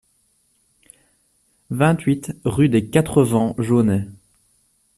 vingt-huit rue des Quatre Vents Jaunay